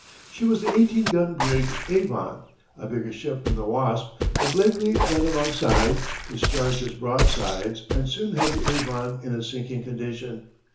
She was the eighteen gun brig Avon, a bigger ship than the Wasp, but Blakeley ran alongside, discharged his broadsides, and soon had the Avon in a sinking condition.